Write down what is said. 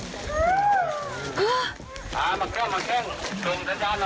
ไหนล่างเท้า